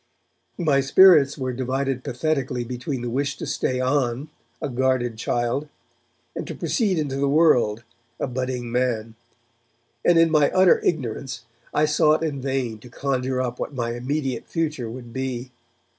My spirits were divided pathetically between the wish to stay on, a guarded child, and to proceed into the world, a budding man, and, in my utter ignorance, I sought in vain to conjure up what my immediate future would be.